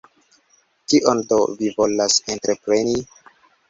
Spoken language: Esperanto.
Kion do vi volas entrepreni?